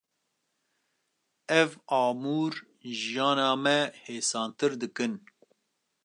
Ev amûr jiyana me hêsantir dikin.